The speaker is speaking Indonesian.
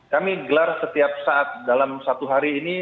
kami gelar setiap saat dalam satu hari ini